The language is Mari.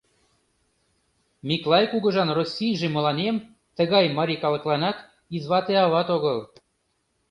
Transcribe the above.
Миклай кугыжан Российже мыланем, тыгак марий калыкланат, извате ават огыл.